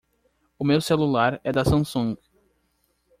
O meu celular é da Samsung.